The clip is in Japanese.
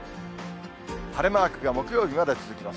晴れマークが木曜日まで続きます。